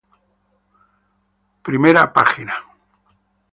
I. Págs.